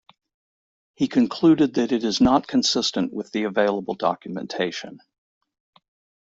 He concluded that it is not consistent with the available documentation.